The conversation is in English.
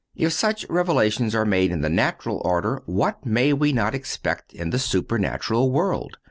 If such revelations are made in the natural order, what may we not expect in the supernatural world?